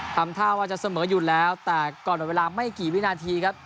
ทำท่าว่าจะเสมออยู่แล้วแต่ก่อนหมดเวลาไม่กี่วินาทีครับ